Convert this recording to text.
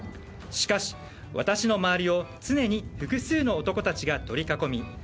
しかし、私の周りを常に複数の男たちが取り囲み